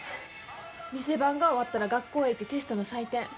店番が終わったら学校へ行ってテストの採点。